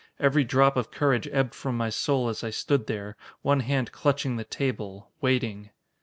Every drop of courage ebbed from my soul as I stood there, one hand clutching the table, waiting....